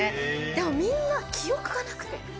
でも、みんな、記憶がなくて。